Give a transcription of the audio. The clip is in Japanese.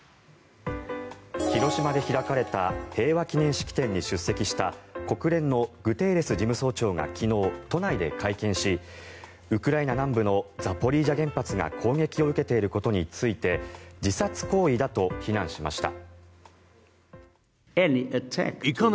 広島で開かれた平和記念式典に出席した国連のグテーレス事務総長が昨日、都内で会見しウクライナ南部のザポリージャ原発が攻撃を受けていることについて自殺行為だと非難しました。